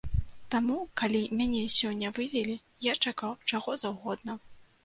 Таму, калі мяне сёння вывелі, я чакаў чаго заўгодна.